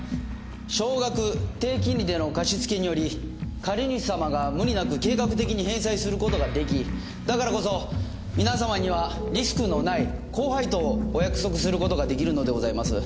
少額低金利での貸し付けにより借主様が無理なく計画的に返済する事が出来だからこそ皆様にはリスクのない高配当をお約束する事が出来るのでございます。